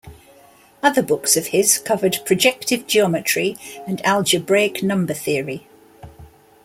Other books of his covered projective geometry and algebraic number theory.